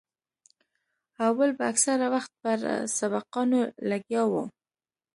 او بل به اکثره وخت پر سبقانو لګيا وو.